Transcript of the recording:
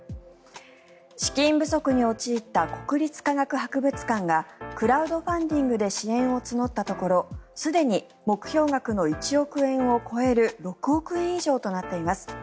資金不足に陥った国立科学博物館がクラウドファンディングで支援を募ったところすでに目標額の１億円を超える６億円以上となっています。